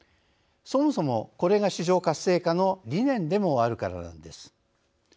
そもそもこれが市場活性化の理念でもあるからなんです。